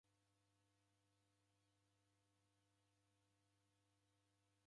Diendagha mghondinyi kifulanguwo